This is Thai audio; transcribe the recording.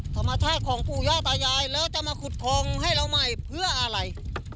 ธรรมชาติของปู่ย่าตายายแล้วจะมาขุดทองให้เราใหม่เพื่ออะไร